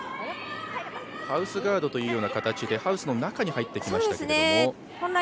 ハウスガードという形でハウスの中に入ってきましたけれども。